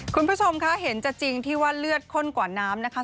คุณผู้ชมคะเห็นจะจริงที่ว่าเลือดข้นกว่าน้ำนะคะ